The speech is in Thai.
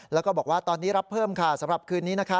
แล้วก็บอกว่าตอนนี้รับเพิ่มค่ะสำหรับคืนนี้นะคะ